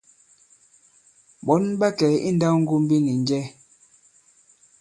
Ɓɔ̌n ɓa kɛ i nndāwŋgombi nì njɛ ?